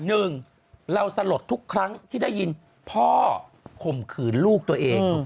หนึ่งเราสลดทุกครั้งที่ได้ยินพ่อข่มขืนลูกตัวเอง